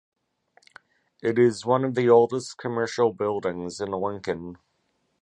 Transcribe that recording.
It is "one of the oldest commercial buildings" in Lincoln.